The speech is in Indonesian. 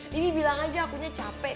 dibi bilang aja akunya capek